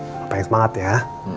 bapak yang semangat ya